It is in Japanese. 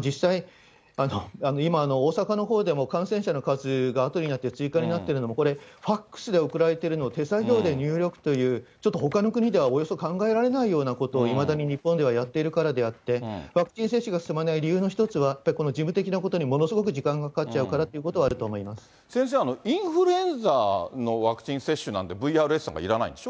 実際、今、大阪のほうでも感染者の数があとになって追加になってるのも、これファックスで送られているのを手作業で入力という、ちょっとほかの国ではおおよそ考えられないようなことをいまだに日本ではやっているからであって、ワクチン接種が進まない理由の一つは、やっぱりこの事務的なことにものすごく時間がかかっちゃうからっ先生、インフルエンザのワクチン接種なんてＶＲＳなんかいらないんでし